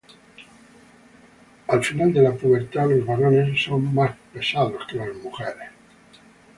Al final de la pubertad, los varones son más pesados que las mujeres.